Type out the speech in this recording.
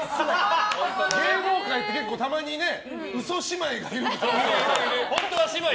芸能界って、結構たまに嘘姉妹がいるから。